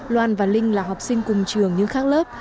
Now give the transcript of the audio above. loan và linh là học sinh cùng trường nhưng khác lớp